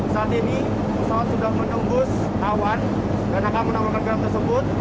saat ini pesawat sudah menembus awan dan akan menawarkan garam tersebut